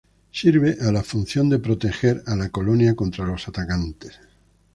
Sirve la función de proteger a la colonia contra atacantes.